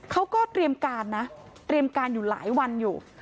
เขาก็เตรียมการนะเตรียมการอยู่หลายวันอยู่